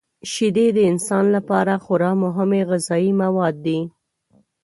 شیدې د انسان لپاره خورا مهمې غذايي مواد دي.